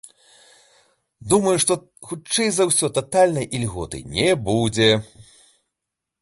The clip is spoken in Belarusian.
Думаю, што хутчэй за ўсё татальнай ільготы не будзе.